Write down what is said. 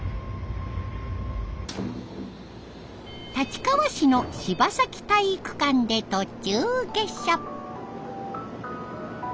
立川市の柴崎体育館で途中下車。